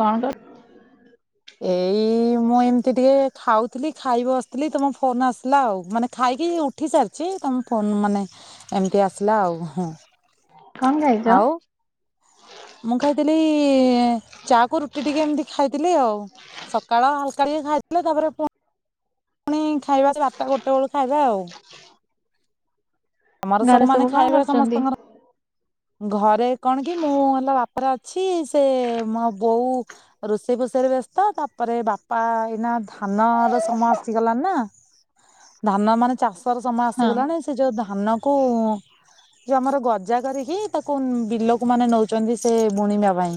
କଣ କର। ଏଇ ମୁଁ ଏମତି ଟିକେ ଖାଉଥିଲି ଖାଇବସିଥିଲି ତମ ଫୋନ ଆସିଲା ଆଉ ମାନେ ଖାଇକି ଉଠି ସାରିଛି ତମ ଫୋନ ମାନେ ଏମିତି ଆସିଲା ଆଉ ହଁ। କଣ ଖାଇଛ। ମୁଁ ଖାଇଥିଲି ଚା କୁ ରୁଟି ଟିକେ ଏମିତି ଖାଇଥିଲି ଆଉ ସକାଳ ହାଲକା। ତ ଖାଥିଲା ତାପରେ। ପୁଣି ଖାଇବା ବାରଟା ଗୋଟେ ବେଳୁ ଖାଇବା ଆଉ। ଆମର ଘରେ ମାନେ ସବୁ କଣ ଖାଇବା କରୁଛନ୍ତି। ସମସ୍ତଙ୍କର ଘରେ କଣ କି ମୁଁ ହେଲା ବାପାର ଅଛି ସେ ମୋ ବୋଉ ରୋଷେଇ ଫୋଷେଇରେ ବ୍ୟସ୍ତ ତାପରେ ବାପା ଏଇନା ଧାନର ସମ। ଆସିଗଲାଣି ନା ଧାନ ମାନେ ଚାଷ। ସମୟ ହଁ ଆସିଗଲାଣି ସେ ଯୋଉ। ଧାନ କୁ ଯଉ ଆମର ଗଜା କରିକି ତାକୁ ବିଲକୁ ମାନେ ନଉଛନ୍ତି ସେ ବୁଣିବା ପାଇଁ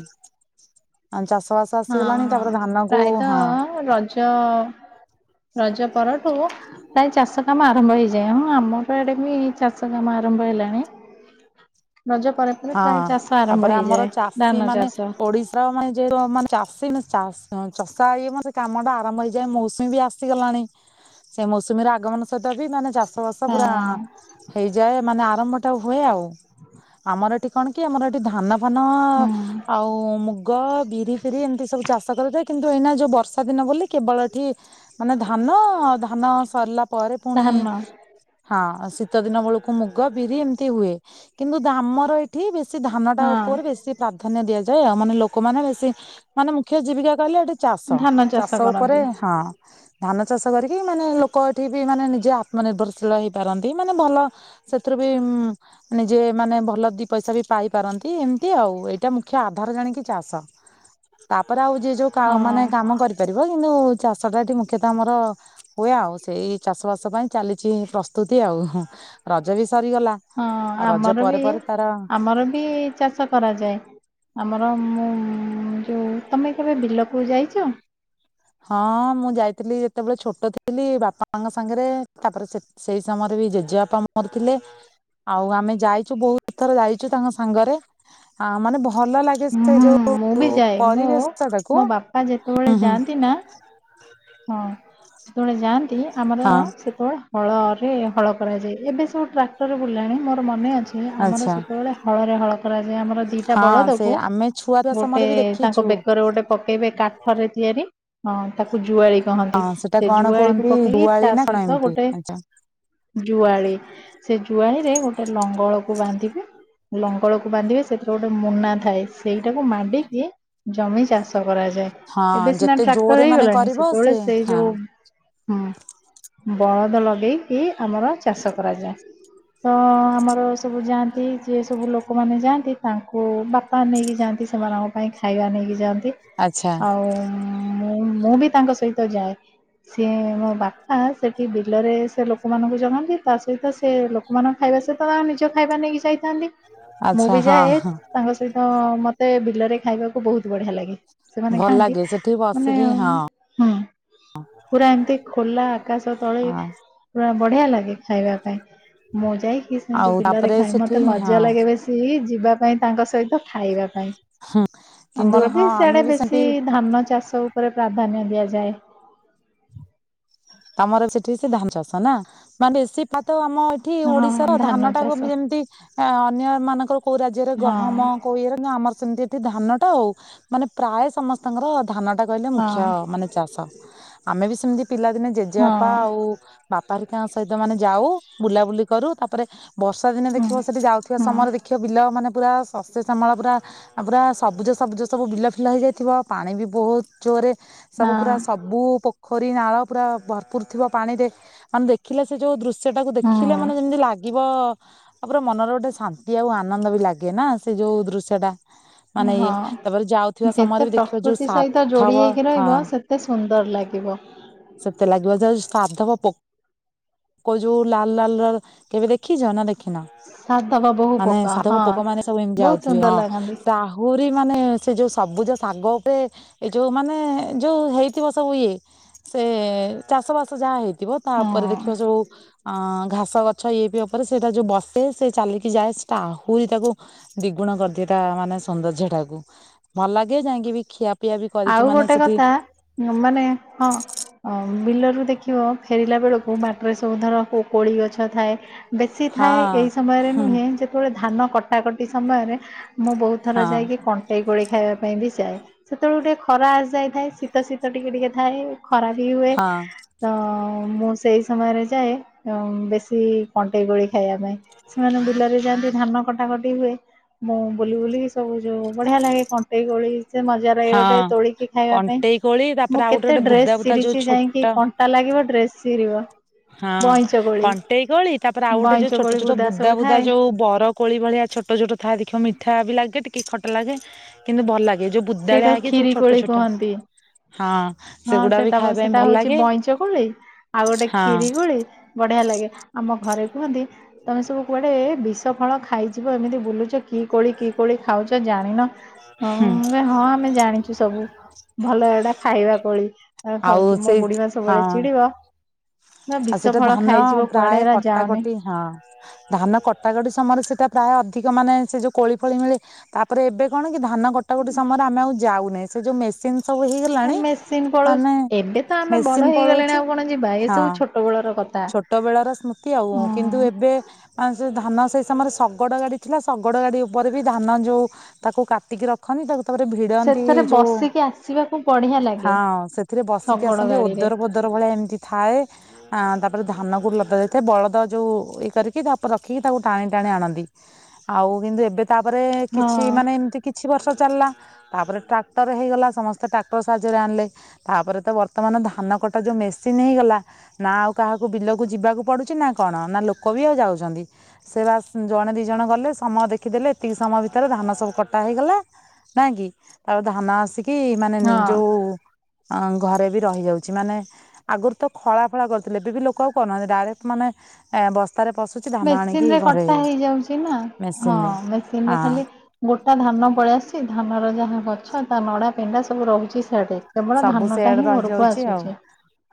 ଆ ଚାଷ। ବାସ ହଁ ଆସିଗଲାଣି ହଁ ତାପରେ ଧାନ କୁ ହଁ ପ୍ରାୟତଃ ରଜ। ରଜ ପରଠୁ। ପ୍ରାୟ ଚାଷ କାମ ଆରମ୍ଭ ହେଇଯାଏ ହଁ ଆମର ଏଡେ ବି ଚାଷ କାମ ଆରମ୍ଭ ହେଲାଣି। ରଜ ପରେ ପରେ ହଁ ପ୍ରାୟ ଚାଷ ଆରମ୍ଭ ତାପରେ ଆମର ହେଇଯାଏ ଧାନ ଚାଷୀ ମାନେ ଚାଷ ଓଡିଶାର ମାନେ ଯେତ ମାନେ ଚାଷୀ ଚାଷ। ହଁ ଚଷା ଇଏ ମ ସେ କାମ ଟା ଆରମ୍ଭ ହେଇଯାଏ ମୌସୁମୀ ବି ଆସିଗଲାଣି ସେ ମୌସୁମୀ ର ଆଗମନ ସହିତ ବି ମାନେ ଚାଷ। ବଷ ବର୍ଷ ହଁ ପୁରା ହେଇଯାଏ ମାନେ। ଗରମଟା ହୁଏ ଆଉ। ଆମର ଏଠି କଣ କି ଆମର ଏଠି ଧାନ। ଫାନ ହୁଁ ଆଉ ମୁ। ର ବିରି ଫିରି ଏମିତି ସବୁ ଚାଷ। କରିଥାଏ କିନ୍ତୁ ଏଇନା ଯୋଉ ବର୍ଷା ଦିନ ବୋଲି କେବଳ ଏଠି ମାନେ ଧାନ ଧାନ ସରିଲା। ପରେ ପୁଣି ଧାନ ହଁ। ଶୀତ ଦିନ ବେଳକୁ ମୁଗ ବିରି ଏମିତି ହୁଏ କିନ୍ତୁ। ଧାମର ଏଇଠି ବେଶ। ସେ ଧାନ ଟା ହଁ ଉପରେ ବେଶୀ ପ୍ରାଧାନ୍ୟ ଦିଆଯାଇଛି। ଆଉ ମାନେ ଲୋକମାନେ ବେଶୀ ମାନେ ମୁଖ୍ୟ ଜୀବିକା କହେ ଏଠି ଚାଷ ଧାନ ଚାଷ ଉପରେ କରନ୍ତି ହଁ ଧାନ ଚ କରିକି ମାନେ ଲୋକ ଏଠି ମାନେ ନିଜେ ଆତ୍ମନିର୍ଭରଶୀଳ ହେଇପାରନ୍ତି। ମାନେ ଭଲ ସେଥିରୁ ବି ନିଜେ ମାନେ ଭଲ ଦି ପଇସା ବି ପାଇପାରନ୍ତି। ଏମିତି ଆଉ ଏଇଟା ମୁଖ୍ୟ ଆଧାର ଜାଣିକି ଚାଷ। ତାପରେ ଆଉ ଯିଏ ହଁ ଯୋଉ ମାନେ କାମ କରିପାରିବ। କିନ୍ତୁ ଚାଷଟା ଏଠି ମୁଖ୍ୟତଃ ଆମର ହୁଏ। ଆଉ ସେଇ ଚାଷ ବାସ ପାଇଁ ଚାଲିଛି ପ୍ରସ୍ତୁତି ଆଉ। ରଜ ବି ସରିଗଲା ହଁ ଆଉ ରଜ ଆମର ପରେ ବି ପରେ ତାର ଆମର ବି ଚାଷ କରାଯାଏ ଆମର। ମୁଁ ଯେଉଁ ତମେ କେବେ ବିଲକୁ ଯାଇଛ? ହଁ ମୁଁ ଯାଇଥିଲି ଯେତେବେଳେ ଛୋଟ ଥିଲି ବାପାଙ୍କ ସାଙ୍ଗରେ। ତାପରେ ସେଇ ସମୟରେ ବି ଜେଜେବାପା ମୋର ଥିଲେ। ଆଉ ଆମେ ଯାଇଛୁ ବହୁତ ଥର ଯାଇଛୁ ତାଙ୍କ ସାଙ୍ଗରେ। ଆ ମାନେ ଭଲ ଲାଗେ ସେ ହୁଁ ମୁଁ ଯୋଉ ବି ଯାଏ ମୋ ପରିବେଶଟାକୁ ମୋ ବାପା ଯେତେବେଳେ ହୁଁ ହୁଁ। ଯାଆନ୍ତି ନା। ହଁ ଯେତେବେଳେ ଯାନ୍ ନ୍ତୀ ଆମର ହଁ ସେତେବେଳେ ହଳ ରେ ହଳ କରାଯାଏ। ଏବେ ସବୁ ଟ୍ରାକ୍ଟରରେ ବୁଲିଲାଣି ମୋର ମନେ ଅଛି ଆମର ଆଚ୍ଛା ସେତେବେଳେ ହଳରେ ହଳ ଯାଏ ଆମର ଦିଟା ହଁ ସେ ବଳଦକୁ ଆମେ ଛୁଆର ଗୋଟେ ସମୟରେ ବି ତାଙ୍କ ଦେଖିଛୁ। ବେକରେ ଗୋଟେ ପକେଇବେ କାଠରେ ତିଆରି। ହଁ ତାକୁ ଜୁଆଳି କହନ୍ତି। ହଁ ସେଟା ସେ କଣ ଜୁଆଳିକୁ କୁହନ୍ତି ପକେଇକି ଦୁଆଳି ତା ନା କଣ ସହିତ ଏମିତି ଗୋଟେ ଆଛା ଜୁଆଳି ସେ ଜୁଆଳିରେ ଗୋଟେ ଲଙ୍ଗଳକୁ ବାନ୍ଧିବି ଲଙ୍ଗଳକୁ ବାନ୍ଧିବେ। ସେଥିରେ ଗୋଟେ ମୁନା ଥାଏ ସେଇଟାକୁ ମାଡିକି ଜମି ଚାଷ ହଁ କରାଯାଏ ଏବେ ସିନା ଯେତେ ଟ୍ରାକ୍ଟର ଜୋରେ ମାନେ ହେଇଗଲାଣି। କରିବ ସେ ସେତେବେଳେ ସେଇ ହଁ ଯୋ ହୁଁ ବଳଦ ଲଗେଇକି ଆମର ଚାଷ କରାଯାଏ। ତ ଆମର ସବୁ ଯାଆନ୍ତି ଯିଏ ସବୁ ଲୋକମାନେ ଯାଆନ୍ତି। ତାଙ୍କୁ ବାପା ନେଇକି ଯାଆନ୍ତି ସେମାନଙ୍କ ପାଇଁ ଖାଇବା ନେଇକି ଯାଆ ନ୍ତି ଆଚ୍ଛା ଆଉ। ମୁଁ ମୁଁ ବି ତାଙ୍କ ସହିତ ଯାଏ। ସିଏ ମୋ ବାପା ସେଠି ବିଲରେ ସେ ଲୋକମାନଙ୍କୁ ଜଗନ୍ତି। ତା ସହିତ ସେ ଲୋକମାନଙ୍କ ଖାଇବା ସହିତ ତାଙ୍କ ନିଜ ଖାଇବା ନେଇକି ଯାଇଥା ଥାନ୍ତି ମୁଁ ଆଚ୍ଛା ବି ହଁ ଯାଏ ହଁ ତାଙ୍କ ସହିତ। ମତେ ବିଲରେ ଖାଇବାକୁ ବହୁତ ବଢିଆ ଲାଗେ। ସେମାନେ ଭଲ ଖାଆନ୍ତି ଲାଗେ ସେଠି ମାନେ ବସିକି ହଁ। ହୁଁ ପୁରା ଏମିତି ଖୋଲା ଆକାଶ ତଳେ ହଁ ପୁରା ବଢିଆ ଲାଗେ। ସେ ଖାଇବା ପାଇଁ ମୁଁ ଯାଇ ଆଉ କି ବିଲରେ ତାପରେ ଖାଏ। ସେଠି ମତେ ହଁ ମଜା ଲାଗେ ବେଶୀ ଯିବା ପାଇଁ ତାଙ୍କ ସହିତ ଖାଇବା ପାଇଁ, କିନ୍ତୁ ଆମର ବି ହଁ ଆମେ ସିଆଡେ ବେଶୀ ସେଠି ଧାନ ଚାଷ [unintelligible] ଧାନ୍ୟା ଦିଆଯାଏ। ତମର ସେଠି ସେ ଧାନ ଚାଷ ନା ମାନେ ବେଶି ପ୍ରାୟତଃ ଆମ ଏଠି ହଁ ଓଡିଶାର ଧାନ ଟାକୁ ଚାଷ ଯେମିତି ଅନ୍ୟ ମାନଙ୍କର କୋଉ ରାଜ୍ୟରେ ହଁ ଗହମ କୋଉ ଇଏରେ ଆମର ସେମିତି ଏଠି ଧାନ ହଉ ମାନେ ପ୍ରାୟ ସମସ୍ତଙ୍କର ଧାନ ଟା କହିଲେ ହଁ ମୁଖ୍ୟ ମାନେ ଚାଷ। ଆମେ ବି ସେମିତି ପିଲାଦିନେ ହଁ ଜେଜେବାପା ଆଉ ବାପା ବାରିକାଙ୍କ ସହିତ ମାନେ ଯାଉ ବୁଲାବୁଲି କରୁ ତାପରେ ବର୍ଷା ଦିନେ ହୁଁ। ଦେଖିବ ସେଠି ଯାଉଥିବା ସମୟରେ ଦେଖିବ ବିଲ ମାନେ ପୁରା ଶସ୍ୟ ସମ୍ଭଳ ପୁରା ପୁରା ସବୁଜ ସବୁଜ ସବୁ ବିଲ ଫିଲ ହେଇଯାଇଥିବ ପାଣି ବି ବହୁତ ଜୋରରେ ହଁ ସବୁ ପୁରା ସବୁ ପୋ ଖରୀ, ନାଳ ପୁରା ଭରପୁର ଥିବ ପାଣି ରେ ମାନେ ଦେଖିଲେ ସେ ଯୋଉ ଦୃ ଶ୍ୟ ଟାକୁ ହଁ ଦେଖିଲେ ମାନେ ଯେମିତି ଲାଗିବ ତାପରେ ମନର ଗୋଟେ ଶାନ୍ତି ଆଉ ଆନନ୍ଦ ବି ଲାଗେ ନା ସେ ଯୋଉ ଦୃଶ୍ୟ ଟା। ହଁ ସମୟରେ ଯେତେ ବି ଦେଖିବ ଯୋଉ ପ୍ରକୃତି ସହିତ ସାର୍ଥବ ଯୋଡି ହେଇକି ହଁ ରହିବ ସେତେ ସୁନ୍ଦର ଲାଗିବ। ସେତେ ଲାଗିବ ସାଧବ ପୋକ ଯୋଉ ଲାଲ ଲାଲ କେବେ ଦେଖିଛ ନା ଖିନ ସାଧବ ବୋହୁ ମାନେ ପକା ସାଧବ ହଁ ପୋକ ମାନେ ସବୁ ଏମତି ବହୁତ ଯାଉଥିବେ ସୁନ୍ଦର ହଁ ଲାଗନ୍ତି ଆହୁରି ମାନେ ସେ ଯୋଉ ସବୁଜ ଶାଗ ଉପରେ ଏଇ ଯୋଉ ମାନେ ଯୋଉ ହେଇଥିବ ସବୁ ଇଏ ସେ ଚାଷ ବାସ ଯାହା ହେଇଛି। ଥିବ ତାପରେ ହଁ। ଦେଖିବ ଯୋଉ ଘାସ ଘାସ ଗଛ ଇଏ ପି ଉପରେ ସେଇଟା ଯୋଉ ବସେ ସେ ଚାଲିକି ଯାଏ ସେଟା ଆହୁରି ତାକୁ ଦ୍ୱିଗୁଣ କରିଦିଏ ତା ମାନେ ସୌନ୍ଦର୍ଯ୍ୟ ଟାକୁ ଭଲ ଲାଗେ ଯାଇକିବି ଆଉ ଗୋଟେ କଥା ମାନେ ହଁ। ବିଲରୁ ଦେଖିବ ଫେରିଲା ବେଳକୁ ବାଟରେ ସବୁ ଧର କୋଳି ଗଛ ଥାଏ। ବେଶୀ ହଁ ଥାଏ ଏଇ ସମୟରେ ହଁ ନୁହେଁ ଯେତେବେଳେ ଧାନ କଟା ଟା କଟି ସମୟରେ ମୁଁ ବହୁତ ଥର ହଁ ଯାଇକି କଣ୍ଟେଇ ଗୋଳି ଖାଇବା ପାଇଁ ବି ଯାଏ। ସେତେବେଳଳେ ଟିକେ ଖରା ଆସିଯାଇଥାଏ ଶୀତ ଶୀତ ଟିକେ ଟିକିଏ ଥାଏ। ଖରାପ ହିଁ ହୁଏ ହଁ ତ ମୁଁ ସେଇ ସମୟରେ ଯାଏ ବେଶୀ କଣ୍ଟେଇ କୋଳି ଖାଇବା ପାଇଁ ସେମାନେ ବିଲରେ ଯାଆନ୍ତି ଧାନ କଟା କଟି ହୁଏ ମୁଁ ବୁଲି ବୁଲିକି ସବୁ ଯୋଉ ବଢିଆ ଲାଗେ କଣ୍ଟେଇ କୋଳି ସେ ମଜା ଲାଗେ ହଁ ଗୋଟେ ତୋଳିକି ଖାଇବା ପାଇଁ। କଣ୍ଟେଇ କୋଳି ମୁଁ ତାପରେ ଆଉ ଗୋଟେ କେତେ ଗୋଟେ ଡ୍ରେସ ବୁଦା ବୁଦା ଯୋଉ ଚିରିଛି ଯାଇକି ଛୋଟ କଣ୍ଟା ଲାଗିବ ଡ୍ରେସ ଚିରିବ। ହଁ ବଇଁଚ କୋଳି କଣ୍ଟେଇ କୋଳି ତାପରେ ଆଉ ଗୋଟେ ଯୋଉ ବଇଁଚ ଛୋଟ କୋଳି ଛୋଟ ବୁଦା ସବୁ ବୁଦା ଥାଏ। ଯୋଉ ବର କୋଳି ଭଳିଆ ଛୋଟ ଛୋଟ ତାହା ଦେଖ ମିଠା ବି ଲାଗେ ଟିକେ ଖଟ ଲାଗେ କିନ୍ତୁ ଭଲ ଲାଗେ ଯୋଉ ବୁଦାଳିଆ ସେଇଟାକୁ ହେଇକି ଯୋଉ କ୍ଷୀରି ଛୋଟ କୋଳି ଛୋଟ କୁହନ୍ତି। ହଁ ହଁ ସେଗୁଡା ବି ସେଟା ଖାଇବା ପାଇଁ ସେଟା ଭଲ ହଉଛି ଲାଗେ ବଇଁଚ ଗୋଳି ଆଉ ଗୋଟେ ହଁ ଖିରି ଗୋଳି ବଢିଆ ଲାଗେ ଆମ ଘରେ କୁହନ୍ତି ତମେ ସବୁ କୁଆଡ଼େ ବିଷ ଫଳ ଖାଇଯିବ ଏମିତି ବୁଲୁଛ କି କୋଳି କି କୋଳି ଖାଉଛ ଜାଣିନ ହୁଁ ହଁ ହଁ ଆମେ ଜାଣିଛୁ ସବୁ। ଭଲ ଏଟା ଖାଇବା କୋଳି। ଆ ଆଉ ଖାଉଛୁ ମୋ ସେଇ ବୁଢୀ ମା ହଁ ସବୁବେଳେ ଚିଡିବ ନା ଆଉ ବିଷ ସେଇଟା ଫଳ ଧାନ ଖାଇଯିବ କୁଆଡେ ପ୍ରାୟ ଏରା ଯାଅନି କଟାକଟି ହଁ ଧାନ କଟାକଟି ସମୟରେ ସେଇଟା ପ୍ରାୟ ଅଧିକ ମାନେ ସେ ଯୋଉ କୋଳି ଫଳି ମିଳେ ତାପରେ ଏବେ କଣ କି ଧାନ କଟା କଟି ସମୟରେ ମେ ଆଉ ଯାଉନିଁ ସେ ଯୋଉ ମେସିନ୍ ନା ମେସିନ୍ ପଳଉଛି ଏବେ ତ ଆମେ ମେସିନ ବଡ ପଳଉଛି ହେଇଗଲେଣି ଆଉ କଣ ଯିବା ଏ ହଁ ସବୁ ଛୋଟ ବେଳର କଥା ଛୋଟ ବେଳ ର ସ୍ମୃତି ଆଉ କିନ୍ତୁ ହୁଁ ଏବେ କା ଧାନ ସେଇ ସମୟରେ ଶଗଡ ଗାଡି ଥିଲା ଶଗଡ ଗାଡି ଉପରେ ବି ଧାନ ଯୋଉ ତାକୁ କାଟିକି ରଖନ୍ତି ତାକୁ ତାପରେ ଭିଡନ୍ତି ସେଥିରେ ଯୋଉ ବସିକି ଆସିବାକୁ ବଢିଆ ଲାଗେ ହଁ ସେଥିରେ ବସିକି ଶଗଡ ଆସନ୍ତି ଗାଡିରେ ଓଦର ପୋଦର ଭଳିଆ ଏମିତି ଥାଏ। ଆ ତାପରେ ଧାନ କ ଲତା ଦେଇଥାଏ ବଳଦ ଯୋଉ ଇଏ କରିକି ତାପରେ ରଖିକି ତାକୁ ଟାଣି ଟାଣି ଆଣନ୍ତି ଆଉ କିନ୍ତୁ ଏବେ ତାପରେ କିଛି ହଁ ମାନେ ଏମିତି କିଛି ବର୍ଷ ଚାଲିଲା ତାପରେ ଟ୍ରାକ୍ଟର ହେଇଗଲା ସମସ୍ତେ ଟ୍ରାକ୍ଟର ସାହାଯ୍ୟରେ ଆଣିଲେ ତାପରେ ତ ବର୍ତ୍ତମାନ ଧାନ କଟା ଯୋଉ ମେସିନ୍ ହେଇଗଲା ନା ଆଉ କାହାକୁ ବିଲକୁ ଯିବାକୁ ପଡୁଛି ନା କଣ ନା ଲୋକ ବି ଆଉ ଯାଉଛନ୍ତି ସେ ବାସ ଜଣେ ଦି ଜଣ ଗଲେ ସମୟ ଦେଖିଦେଲେ ଏତିକି ସମୟ ଭିତରେ ଧାନ ସବୁ କଟା ହେଇଗଲା ନାଇଁ କି ତାପରେ ଧାନ ଆସିକି କି ମାନେ ହଁ ଯୋଉ ଅ ଘରେ ବି ରହିଯାଉଛି ମାନେ ଆଗରୁ ତ ଖଳା ଫଳା କରିଥିଲେ ଏବେ ବି ଲୋକ ଆଉ କହୁନାହାନ୍ତି ଡାଇରେକ୍ଟ ମାନେ ବ ମେସିନ ରେ କଟା ହେଇଯାଉଛି ନା ହଁ ମେସିନରେ ମେସିନ ରେ ହଁ ଖାଲି ଗୋଟା ଧାନ ପଳେଇଆସଛି ଧାନର ଯାହା କ ଛ ତା ନଡ଼ା କେଣ୍ଡା ସବୁ ରହୁଛି ସେ ଆଡେ। ସବୁ ସେଆଡେ ରହିଯାଉଛି ଆଉ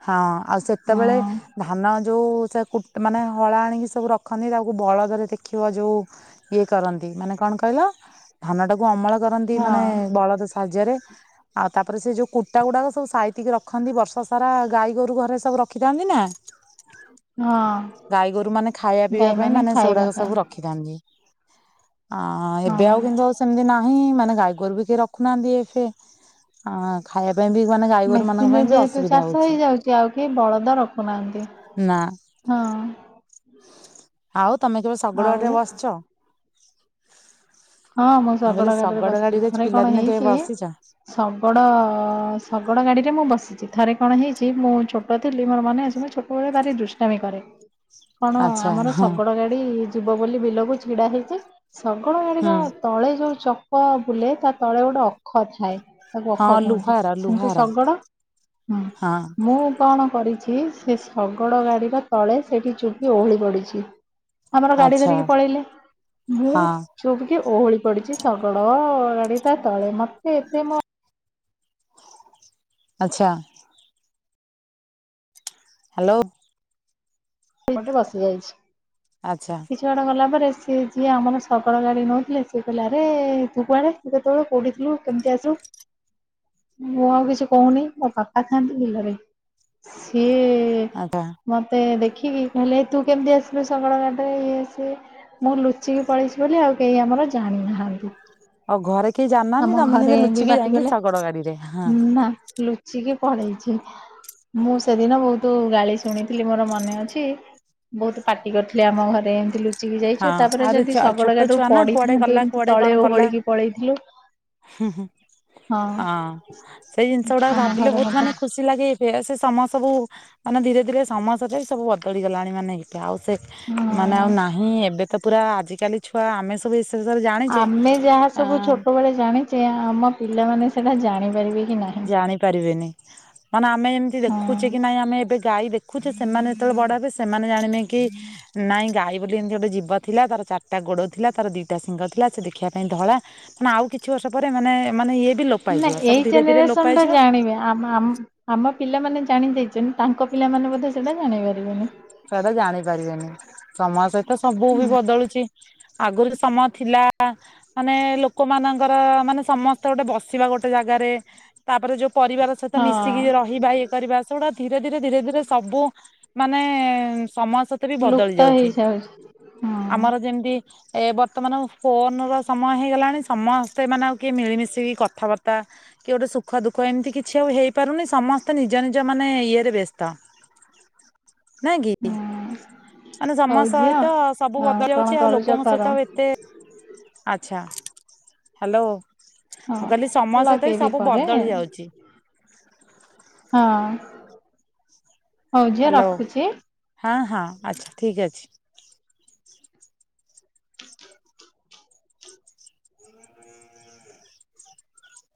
ହଁ ଆଉ ହଁ ସେତେବେଳେ ଧାନ ଯୋଉ ସେ ମାନେ ହଳା ଆଣିକି ସବୁ ରଖନ୍ତି ତାକୁ ବଳଦରେ ଦେଖିବ ଯୋଉ ଇଏ କରନ୍ତି ମାନେ କଣ କହିଲ ଧାନ ଟାକୁ ଅମଳ କରନ୍ତି ହଁ ମାନେ ବଳଦ ସାହାଯ୍ୟରେ। ଆଉ ତାପରେ ସେ ଯୋଉ କୁଟା ଗୁଡାକ ସବୁ ସାଇତିକି ରଖନ୍ତି ବର୍ଷ ସାରା ଗାଈ ଗୋରୁ ଘରେ ସବୁ ରଖିଥାନ୍ତି ନା [inaudible] ଗାଈ ଗୋରୁ ମାନେ ଖାଇବା ପିଇବା ପାଇଁ ଗାଈମାନେ ମାନେ ଖାଇବା ସେଗୁଡାକ ପାଇଁ ସବୁ ରଖିଥାନ୍ତି। ଅ ଏବେ ହଁ ଆଉ କିନ୍ତୁ ଆଉ ସେମିତି ନାହିଁ ମାନେ‌। ଗାଈଗୋରୁ ବିି କେହି ରଖୁନାହାନ୍ତି ଏବେ ଖାଇବା ପାଇଁ ବି ମାନେ ଗାଈ ଗୋରୁ ମାନଙ୍କ ମେସିନରେ ପାଇଁ ବି ଯେହେତୁ ଅସୁବିଧା ଚାଷ ହଉଛି। ହେଇଯାଉଛି ଆଉ କେହି ବଳଦ ରଖୁହାନ୍ତି ନା [inaudible] ହଁ। ଆଉ ତମେ କେବେ ଶଗଡ଼ୁ ଆଉ ଗାଡିରେ ଵସିଛ। ହଁ ମୁଁ କହିଲି ଶଗଡ ଗାଡିରେ ବସିଛି ଥରେ କଣ ପିଲାଦିନେ କେବେ ହେଇଛି ବସିଛ? ଶଗଡ ଶଗଡ ଗାଡିରେ ମୁଁ ବସି ଥରେ କଣ ହେଇଛି ମୁଁ ଛୋଟ ଥିଲି ମୋର ମନେ ଅଛି ମୁ ଛୋଟବେେଳେ ଭାରି ଦୃଷ୍ଟାମି କରେ। କଣ ଆଚ୍ଛା ଆମର ହଁ ଶଗଡ ଗାଡି। ଯିବ ବୋଲି ବିଲକୁ ଛିଡା ହେଇଛି। ଶଗଡ଼ ହୁଁ ହଁ ତଳେ ଯୋଉ ଚକ ବୁଲେ ତା ତଳେ ଗୋଟେ ଅଖ ଥାଏ। ତାକୁ ହଁ ଅଖ କୁହନ୍ତି। ଲୁହାର ସେମିତି ଲୁହାର ଶଗଡ଼ ହୁଁ, ହଁ ମୁଁ କଣ କରିଛି? ସେ ଶଗଡ଼ ଗାଡ଼ିର ତଳେ ସେଠି ଚୁପ୍ କି ଓହଳି ପଡ଼ିଛି। ଆମର ଗାଡି ଆଚ୍ଛା ଧରିକି ପଳେଇଲେ। ମୁଁ ହଁ ହୁ। କେ ଓହଳି ପଡିଛି। ଶଗଡ଼-ଅ ଗାଡି ତା ତଳେ। ମତେ ଏତେ ମୋ ଆଚ୍ଛା। ହ୍ୟାଲୋ! ମୁଁ ଏଠିବସି ଯାଇଛି। ଆଚ୍ଛା କିଛି ବାଟ ଗଲା ପରେ ସିଏ ଯିଏ ଆମର ଶଗଡ଼ ଗାଡି ନଉଥିଲେ। ସିଏ କହିଲେ ଆରେ ତୁ କୁଆଡେ ତୁ କେତେବେଳେ କୋଉଠି ଥିଲୁ କେମିତି ଆସିଲୁ ମୁଁ ଆଉ କିଛି କହୁନି ମୋ ବାପା ଥାଆନ୍ତି ବିଲରେ ସିଏ ଖେ ଆଚ୍ଛା ମୋତେ ଖି ହେଲେ ତୁ କେମିତି ଆସିଲୁ ଶଗଡ଼ ଗାଡ଼ିରେ। ଇଏ ସିଏ ମୁଁ ଲୁଚିକି ପଳେଇଛି ବୋଲି ଆଉ କେହି ଆମର ଜାଣି ନାହାନ୍ତି। ଆ ଘରେ କେହି ଜାଣିନାହାନ୍ତି ଆମ ତମେ ଘରେ କିନ୍ତୁ ଵି ଲୁଚିକି ଯାଇକି ପାଟିକଲେ ଶଗଡ ଗାଡିରେ ହଁ ନା ଲୁଚିକି ପଳେଇଛି ମୁଁ ସେଦିନ ବହୁତ ଗାଳି ଶୁଣିଥିଲି ମୋର ମନେ ଅଛି। ବହୁତ ପାଟି କରିଥିଲି ଆମ ଘରେ। ହଁ ଚେଡିଯାଇଛୁ ତାପରେ ଆହୁରି ଯଦି ଶଗଡ଼ ଛୋଟ ଗାଠାରୁ ଛୁଆ ନା କୁଆଡେ ପଡ଼ିଥାନ୍ତୁ ଗଲା ଏମିତି କୁଆଡେ କଣ ତଳେ ଓ କଲା ହୋଳିକି ପଳେଇଥିଲ। ହଁ ହୁଁ ହଁ ସେଇ ଜିନିଷ ଗୁଡାକ ଆମ ଭାବିଲେ ଘରେ ବହୁତ ମତେ ମାନେ ଖୁସି ଲାଗେ ସେ ସମୟ ସବୁ ମାନେ ଧିରେ ଧିରେ ସମୟ ସରେ ଜାଇ ସବୁ ବଢ଼ିଗଲାଣି ମାନେ ହିତ ସେ ମାନେ ଆଉ ହଁ ନାହିଁ। ଏବେ ତ ପୁରା ଆଜିକାଲି ଛୁଆ ଆମେ ସବୁ ବିଷୟରେ ଜାଣିଛେ ଆମେ ଯାହା ଅ ସବୁ ଛୋଟବେଳେ ଜାଣିଛେ ଆମ ପିଲାମାନେ ସେ ନା ଜାଣିପାରିବି। ଜାଣି ପାରିବେନି ମାନେ ଆମେ ଯେମିତି ଦେଖୁଛେ ହଁ କି ନାଇଁ ଆମେ ଏବେ ଗାଈ ଦେ ଦେଖୁଛେ ସେମାନେ ଯେତେବେଳେ ବଡହେବେ ସେମାନେ ଜାଣିବେ କି ନାଇଁ ଗାଈ ବୋଲି ଏମିତି ଗୋଟେ ଜୀବ ଥିଲା ତାର ଚାରିଟା ଗୋଡ ଥିଲା ତାର ଦିଟା ସିଂଙ୍ଗ ଥିଲା ସେ ଦେଖିବା ପାଇଁ ଧଳା ମାନେ ଆଉ କିଛି ବର୍ଷ ରେ ମାନେ ମାନେ ଏ ବି ଲୋପ୍ ପାଇଯିବ ଆ ସବୁ ଧୀରେ ଧୀରେ ଲୋପ ସନ୍ ଟା ପାଇଯିବ ଜାଣିବେ ଆମ ଆମ ଆମ୍ ପିଲାମାନେ ଜାଣି ଦେଇଛନ୍ତି ତାଙ୍କ ପିଲାମାନେ ମଧ୍ୟ ସେଇଟା ଜାଣିପାରିବେନି। ସେଟା ଜାଣିପାରିବେନି ସମୟ ସହିତ ତ ସବୁ ବି ବଦଳୁଛି। ଆଗରୁ ସମୟ ଥିଲା ମାନେ ଲୋକମାନଙ୍କର ମାନେ ସମସ୍ତେ ଗୋଟେ ବସିବା ଗୋଟେ ଜାଗାରେ ତାପରେ ଯୋଉ ପରିବାର ସହିତ ମିଶିକି ହଁ ରହିବା ଇଏ କରିବା ସେଗୁଡା ଧୀରେ ଧୀରେ ଧୀରେ ଧୀରେ ସବୁ ମାନେ ମାନେ ସମାଜ୍ ସତ ବି ବଦଳି ଲୁପ୍ତ ଯାଉଛି ହେଇଯାଉଛି ହଁ ଆମର ଯେମିତି ଏ ବର୍ତ୍ତମାନ ଫୋନ ର ସମୟ ହେଇଗଲାଣି ସମସ୍ତେ ମାନେ ଆଉ କିଏ ମିଳିମିଶିକି କଥାବାର୍ତ୍ତା କି ଗୋଟେ ସୁଖ ଦୁଃଖ ଏମିତି କିଛି ଆଉ ହେଇପାରୁନି ସମସ୍ତେ ନିଜ ନିଜ ମାନେ ଇଏରେ ବ୍ୟସ୍ତ। [inaudible] ନାଇଁ କି ହଁ। ମାନେ ସମୟ ହଉ ଝିଅ ସହିତ ସବୁ ହଁ କଣ ବଦଳିଯାଉଛି ଆଉ କରୁଛ ଲୋକଙ୍କ କର ସହିତ ଏତେ ଆଛା। ହ୍ୟାଲୋ। ହଁ ମୁଁ କହିଲି ସମୟ ସହିତ ବି ଲଗେଇବି ସବୁ ପରେ ବଦଳି ହଁ ଯାଉଛି। ହଉ ଝିଅ ରଖୁଛି। ଆଛା ଠିକ ଅଛି।